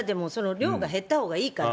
量が減ったほうがいいから。